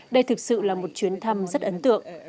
đây thực sự là một chuyến thăm rất ấn tượng